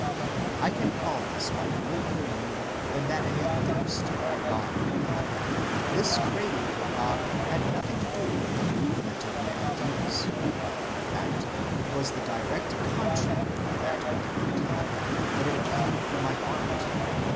I can call this by no other name than that of a thirst for God. This craving for God had nothing to do with the movement of my ideas,—in fact, it was the direct contrary of that movement,—but it came from my heart.